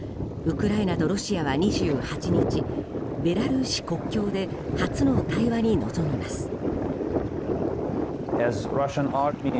ウクライナとロシアは２８日ベラルーシ国境で初の対話に臨みます。